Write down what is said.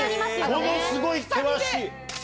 ものすごい険しい。